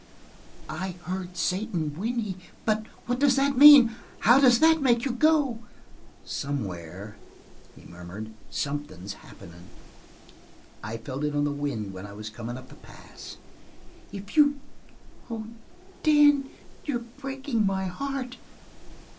"I heard Satan whinney. But what does that mean? How does that make you go?" "Somewhere," he murmured, "something's happening. I felt it on the wind when I was comin' up the pass." "If you oh, Dan, you're breaking my heart!"